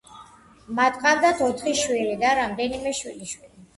მათ ჰყავდათ ოთხი შვილი და რამდენიმე შვილიშვილი.